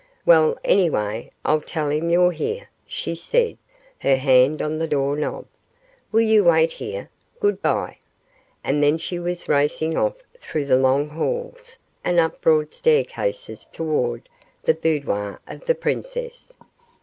"Well, anyway, I'll tell him you're here," she said, her hand on the door knob. "Will you wait here? Good bye!" And then she was racing off through the long halls and up broad stair cases toward the boudoir of the princess.